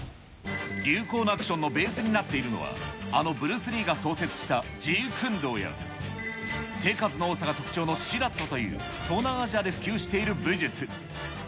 流行のアクションのベースになっているのは、あのブルース・リーがそうせつしたジークンドーや、手数の多さが特徴のシラットという、東南アジアで普及している武術。